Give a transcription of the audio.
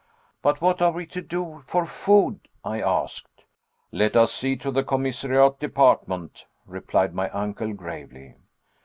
"But what are we to do for food?" I asked. "Let us see to the commissariat department", replied my uncle gravely.